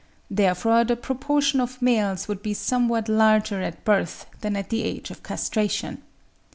Therefore the proportion of males would be somewhat larger at birth than at the age of castration.